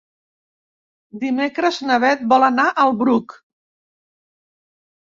Dimecres na Beth vol anar al Bruc.